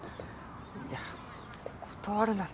いや断るなんて。